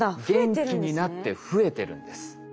元気になって増えてるんです。